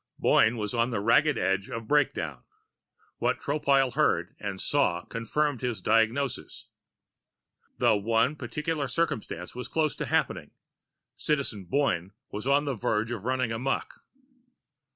Boyne was on the ragged edge of breakdown. What Tropile heard and saw confirmed his diagnosis. The one particular circumstance was close to happening Citizen Boyne was on the verge of running amok.